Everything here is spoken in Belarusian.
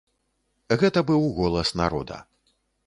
Гэта быў голас народа.